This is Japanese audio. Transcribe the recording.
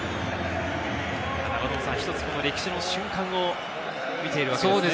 １つ歴史の瞬間を見ているわけですね。